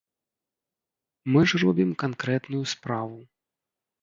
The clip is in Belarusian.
Мы ж робім канкрэтную справу.